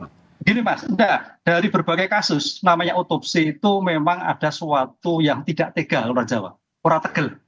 begini mas enggak dari berbagai kasus namanya otopsi itu memang ada suatu yang tidak tegal orang jawa orang tegal